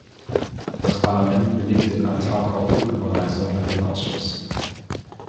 Das Parlament billigt den Antrag auf Rücküberweisung an den Ausschuss.